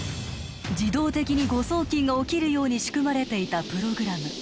自動的に誤送金が起きるように仕組まれていたプログラム